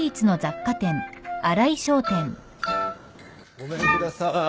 ごめんください。